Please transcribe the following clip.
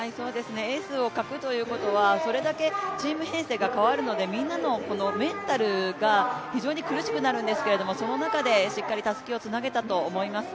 エースを欠くということはそれだけチーム編成が変わるので、みんなのメンタルが非常に苦しくなるんですけどその中で、しっかりたすきをつなげたと思います。